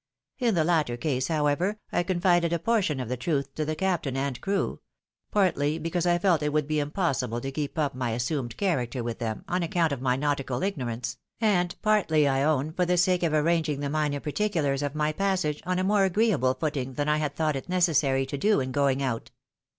In the latter case, however, I confided a portion of the truth to the captain and crew — partly because I felt it would be impossible to keep up my assumed character with them, on account of my nautical ignorance, and partly, I own, for the sake of arranging the minor particulars of my passage on a more agreeable footing than I had thought it necessary to do in going out.